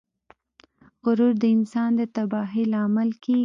غرور د انسان د تباهۍ لامل کیږي.